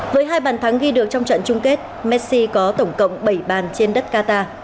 với hai bàn thắng ghi được trong trận chung kết messi có tổng cộng bảy bàn trên đất qatar